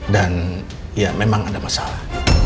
dan ya memang ada masalah